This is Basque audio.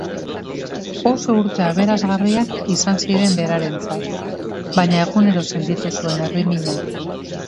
Oso urte aberasgarriak izan ziren berarentzat, baina egunero sentitu zuen herrimina.